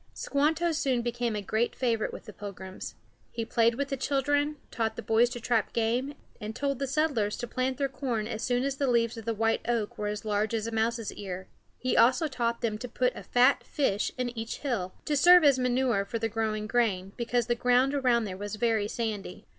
Squanto soon became a great favorite with the Pilgrims. He played with the children, taught the boys to trap game, and told the settlers to plant their corn as soon as the leaves of the white oak were as large as a mouse's ear. He also taught them to put a fat fish in each hill, to serve as manure for the growing grain, because the ground around there was very sandy.